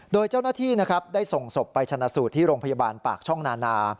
โดยเจ้าหน้าที่นะครับได้ส่งศพไปชนะสูตรที่โรงพยาบาลปากช่องนานา